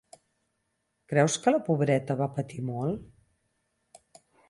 Creus que la pobreta va patir molt?